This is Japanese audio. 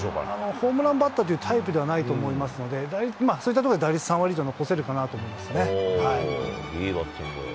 ホームランバッターというタイプじゃないと思うので、そういったところで打率３割以上残せるかなと思うんですよね。